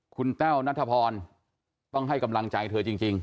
คุณแต้วนัทพรต้องให้กำลังใจเธอจริง